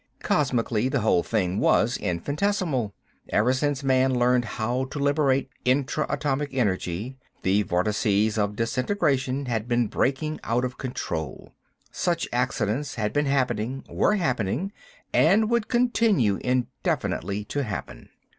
Cosmically, the whole thing was infinitesimal. Ever since man learned how to liberate intra atomic energy, the vortices of disintegration had been breaking out of control. Such accidents had been happening, were happening, and would continue indefinitely to happen.